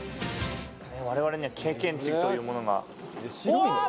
我々には経験値というものが。